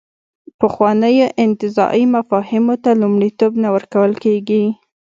پخوانیو انتزاعي مفاهیمو ته لومړیتوب نه ورکول کېږي.